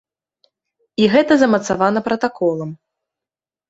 І гэта замацавана пратаколам.